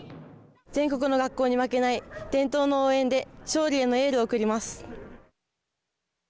全国の学校に負けない伝統の応援で勝利へのエールを送ります。